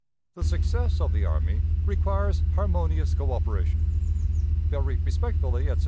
The success of the army requires harmonious coöperation. "Very respectfully, etc.